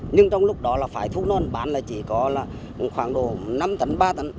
nhưng trong lúc đó là phải thu non bán là chỉ có khoảng năm tấn ba tấn